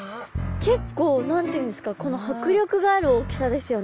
結構何て言うんですか迫力がある大きさですよね。